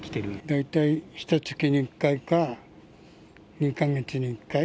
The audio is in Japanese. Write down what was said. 大体ひとつきに１回か、２か月に１回。